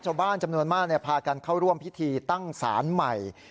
ชาวบ้านจำนวนมากพากันเข้าร่วมพิธีตั้งศาลใหม่